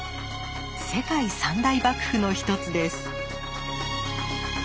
世界三大瀑布の一つです。